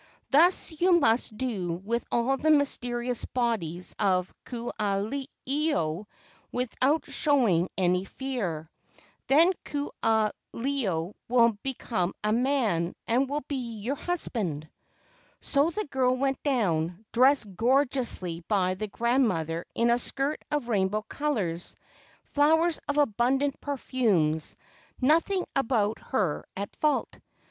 Thus you must do with all the mysterious bodies of Ku aha ilo without showing any fear. Then Ku aha ilo will become a man and will be your husband." So the girl went down, dressed gorgeously by the grandmother in a skirt of rainbow colors, flowers of abundant perfumes—nothing about her at fault.